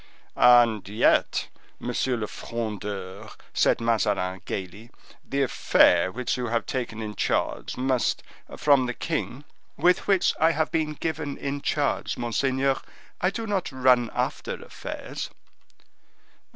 "And yet, Monsieur le Frondeur," said Mazarin, gayly, "the affair which you have taken in charge must, from the king—" "With which I have been given in charge, monseigneur. I do not run after affairs."